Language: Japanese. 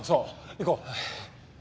行こう。